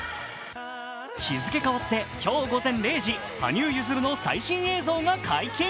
日付変わって今日午前０時、羽生結弦の最新映像が解禁。